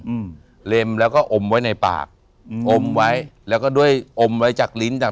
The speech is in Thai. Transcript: อืมเล็มแล้วก็อมไว้ในปากอืมอมไว้แล้วก็ด้วยอมไว้จากลิ้นต่าง